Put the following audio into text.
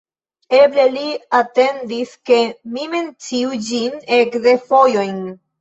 Eble li atendis, ke mi menciu ĝin dek fojojn.